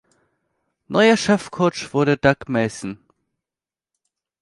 Neuer Chefcoach wurde Doug Mason.